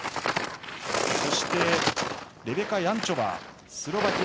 そして、レベカ・ヤンチョバー。